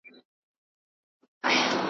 ورته راغلل غوري ګان د پولاوونو .